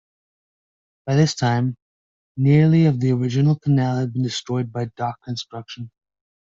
By this time, nearly of the original canal had been destroyed by dock construction.